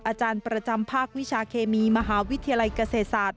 อาจารย์ประจำภาควิชาเคมีมหาวิทยาลัยเกษตรศาสตร์